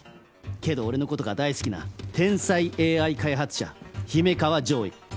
けど俺のことが大好きな天才ＡＩ開発者姫川烝位。